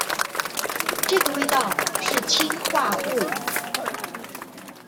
這個味道，是氰化物